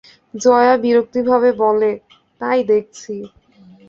জয়া বিরক্তিভাবে বলে, তাই দেখছি।